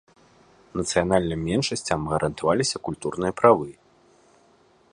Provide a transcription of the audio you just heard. Нацыянальным меншасцям гарантаваліся культурныя правы.